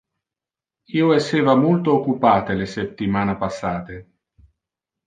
Io esseva multo occupate le septimana passate.